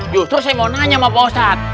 justru saya mau nanya sama pak ustadz